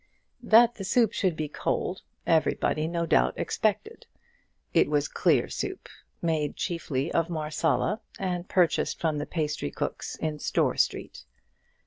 That the soup should be cold, everybody no doubt expected. It was clear soup, made chiefly of Marsala, and purchased from the pastry cook's in Store Street.